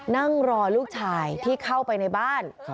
นั่งรอลูกชายที่เข้าไปในบ้าน